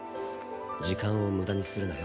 時間を無駄にするなよ